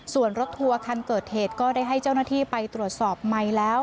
ส่วนรถทัวร์คันเกิดเหตุก็ได้ให้เจ้าหน้าที่ไปตรวจสอบไมค์แล้ว